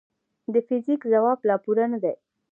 د فزیک خواب لا پوره نه دی.